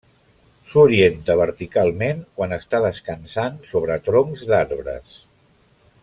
S'orienta verticalment quan està descansant sobre troncs d'arbres.